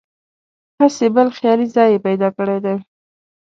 هسې بل خیالي ځای یې پیدا کړی دی.